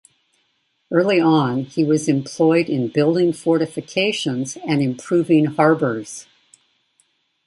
Early on he was employed in building fortifications and improving harbors.